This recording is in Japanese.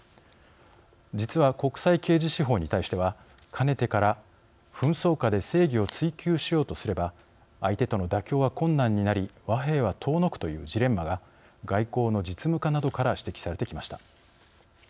実は、国際刑事司法に対してはかねてから「紛争下で正義を追求しようとすれば、相手との妥協は困難になり和平は遠のく」というジレンマが外交の実務家などから指摘されてきました。